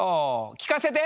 聞かせて！